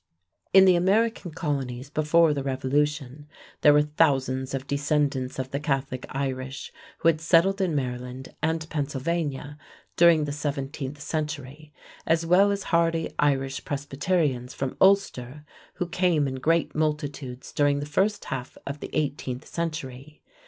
In the American colonies before the Revolution there were thousands of descendants of the Catholic Irish who had settled in Maryland and Pennsylvania during the seventeenth century, as well as hardy Irish Presbyterians from Ulster, who came in great multitudes during the first half of the eighteenth century.